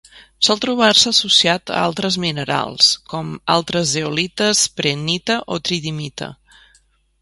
Sol trobar-se associat a altres minerals com: altres zeolites, prehnita o tridimita.